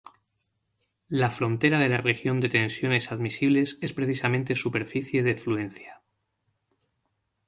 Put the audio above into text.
La frontera de la región de tensiones admisibles es precisamente superficie de fluencia.